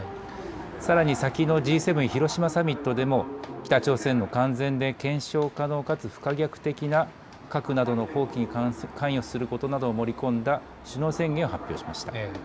さらに先のＧ７広島サミットでも北朝鮮の完全で検証可能かつ不可逆的な核などの放棄に関与することを盛り込んだ首脳宣言を発表しました。